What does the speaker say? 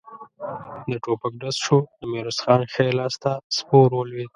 د ټوپک ډز شو، د ميرويس خان ښی لاس ته سپور ولوېد.